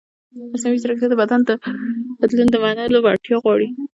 مصنوعي ځیرکتیا د بدلون د منلو وړتیا غواړي.